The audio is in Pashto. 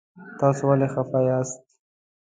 تاسو ولې خفه یاست؟